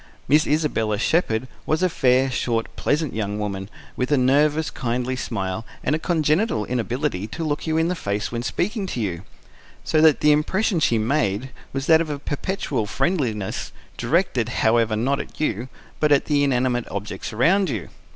Miss Isabella Shepherd was a fair, short, pleasant young woman, with a nervous, kindly smile, and a congenital inability to look you in the face when speaking to you; so that the impression she made was that of a perpetual friendliness, directed, however, not at you, but at the inanimate objects around you.